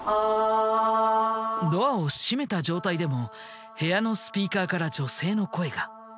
ドアを閉めた状態でも部屋のスピーカーから女性の声が。